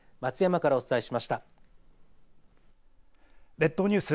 列島ニュース。